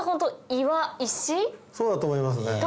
そうだと思いますね。